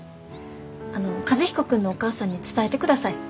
あの和彦君のお母さんに伝えてください。